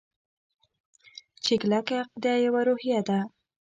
چې کلکه عقیده يوه روحیه ده.